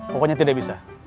pokoknya tidak bisa